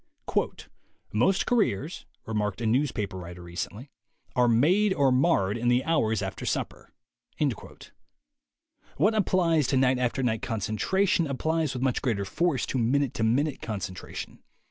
"Most careers," remarked a newspaper writer recently, "are made or marred in the hours after supper." .What applies to night after night concentration applies with much greater force to minute to minute concentration.